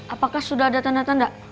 apakah sudah ada tanda tanda